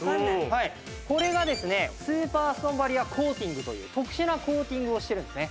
これがですねスーパーストーンバリアコーティングという特殊なコーティングをしてるんですね。